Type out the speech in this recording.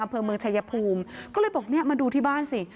อำเภอเมืองชายภูมิก็เลยบอกเนี่ยมาดูที่บ้านสิ